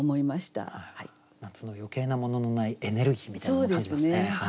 夏の余計なもののないエネルギーみたいなのも感じますね。